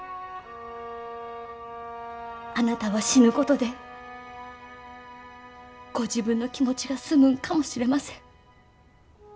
あなたは死ぬことでご自分の気持ちが済むんかもしれません。